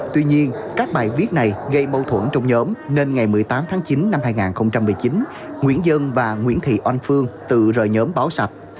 tuy nhiên các bài viết này gây mâu thuẫn trong nhóm nên ngày một mươi tám tháng chín năm hai nghìn một mươi chín nguyễn dân và nguyễn thị oanh phương tự rời nhóm báo sập